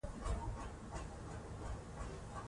خلک د پهلوي دوره د عصري کېدو وخت بولي.